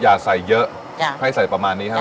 อย่าใส่เยอะให้ใส่ประมาณนี้ใช่ไหม